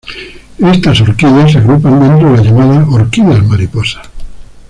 Estas orquídeas se agrupan dentro de las llamadas de Orquídeas Mariposa.